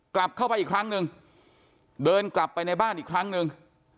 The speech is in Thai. กลับเข้าไปอีกครั้งหนึ่งเดินกลับไปในบ้านอีกครั้งหนึ่ง